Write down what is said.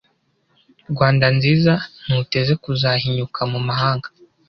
rwanda nziza ntuteze kuzahinyuka mu mahanga